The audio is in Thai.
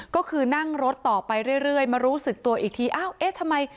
ก็คือนั่งรถต่อไปเรื่อยมารู้สึกตัวอีกทีอ้าวเอ๊ะทำไม